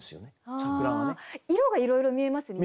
色がいろいろ見えますよね。